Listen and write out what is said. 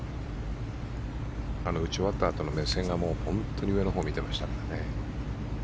打ち終わったあとの目線が本当に上のほうを見てましたからね。